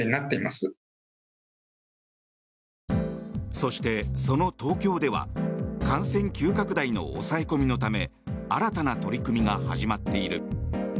そして、その東京では感染急拡大の抑え込みのため新たな取り組みが始まっている。